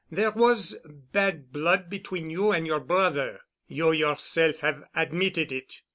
There was bad blood between you and your brother. You yourself have admitted it.